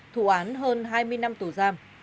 thủ án hơn hai mươi năm tù giam